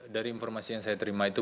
dari informasi yang saya terima itu